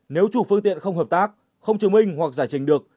nếu chủ phương tiện không hợp tác không chứng minh hoặc giải trình được